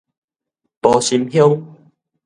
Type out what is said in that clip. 埔心鄉